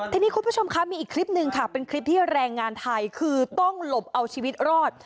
ทีนี้คุณผู้ชมคะมีอีกคลิปหนึ่งค่ะเป็นคลิปที่แรงงานไทยคือต้องหลบเอาชีวิตรอด